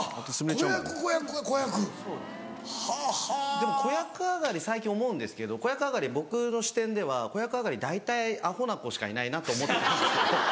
でも子役上がり最近思うんですけど子役上がり僕の視点では子役上がり大体アホな子しかいないなと思ってたんですけど。